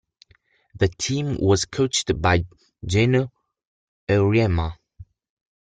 The team was coached by Geno Auriemma.